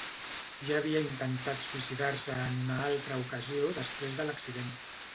Ja havia intentat suïcidar-se en una altra ocasió després de l'accident.